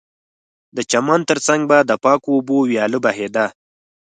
د چمن ترڅنګ به د پاکو اوبو ویاله بهېده